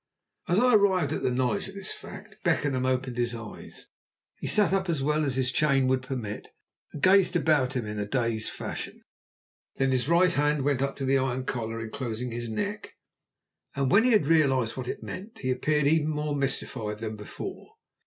As I arrived at the knowledge of this fact, Beckenham opened his eyes; he sat up as well as his chain would permit, and gazed about him in a dazed fashion. Then his right hand went up to the iron collar enclosing his neck, and when he had realized what it meant he appeared even more mystified than before.